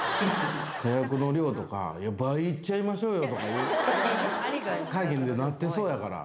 火薬の量とか、倍いっちゃいましょうとか、会議でなってそうやか